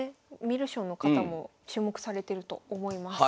観る将の方も注目されてると思います。